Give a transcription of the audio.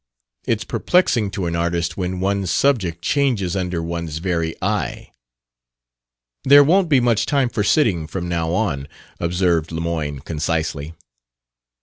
It's perplexing to an artist when one's subject changes under one's very eye." "There won't be much time for sitting, from now on," observed Lemoyne concisely.